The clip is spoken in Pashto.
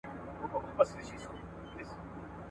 سیاست خپلې پرېکړې په ټولنه کي پلي نه کړې.